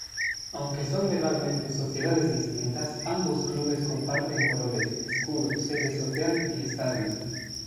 Aunque son legalmente sociedades distintas, ambos clubes comparten colores, escudo, sede social y estadio.